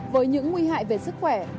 với những nguy hại về sức khỏe